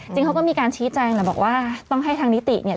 จริงเขาก็มีการชี้แจงแหละบอกว่าต้องให้ทางนิติเนี่ย